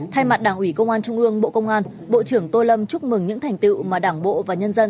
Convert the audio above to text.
thay mặt đảng ủy công an trung ương bộ công an bộ trưởng tô lâm chúc mừng những thành tựu mà đảng bộ và nhân dân